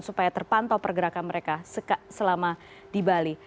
supaya terpantau pergerakan mereka selama di bali